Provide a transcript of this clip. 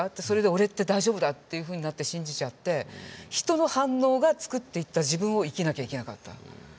それで俺って大丈夫だっていうふうになって信じちゃって人の反応が作っていった自分を生きなきゃいけなかった。